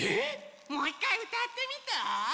もういっかいうたってみて！